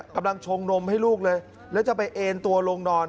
กำลังชงนมให้ลูกเลยแล้วจะไปเอ็นตัวลงนอน